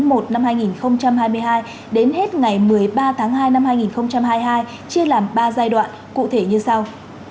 từ ngày hai mươi tháng một năm hai nghìn hai mươi hai đến hết ngày một mươi ba tháng hai năm hai nghìn hai mươi hai chia làm ba giai đoạn cụ thể như sau